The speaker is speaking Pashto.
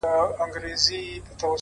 زحمت د باور ثبوت دی’